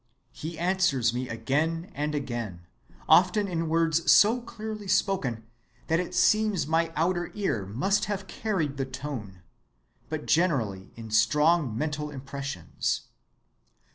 He answers me again and again, often in words so clearly spoken that it seems my outer ear must have carried the tone, but generally in strong mental impressions.